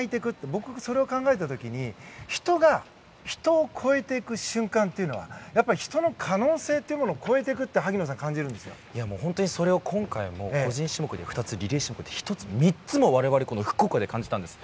僕それを考えた時に人が人を超えていく瞬間というのはやっぱり人の可能性というものを超えていくって本当にそれを今回も個人種目で１つリレー種目で２つ３つも我々は世界水泳福岡で感じたんですよ。